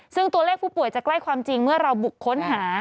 ซึ่งตัวเลขผู้ป่วยจะใกล้ความจริงเมื่อเราบุกค้นหา